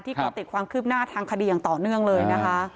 ก็ติดความคืบหน้าทางคดีอย่างต่อเนื่องเลยนะคะ